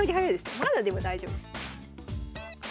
まだでも大丈夫です。